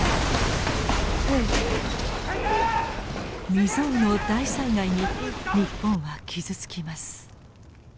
未曽有の大災害に日本は傷つきます。